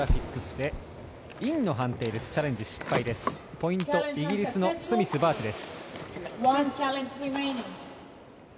ポイント、イギリスのスミス、バーチです。